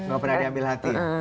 gak pernah diambil hati